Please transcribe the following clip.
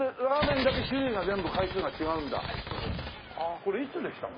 これいつできたの？